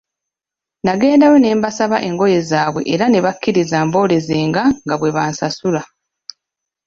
Nagendayo ne mbasaba engoye zaabwe era ne bakkiriza mboolezenga nga bwe bansasula.